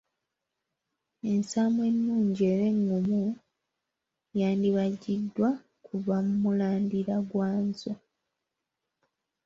Ensaamu ennungi era eŋŋumu yandibajjiddwa kuva mu mulandira gwa Nzo.